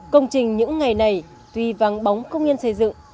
công trình những ngày này tuy vắng bóng công nhân xây dựng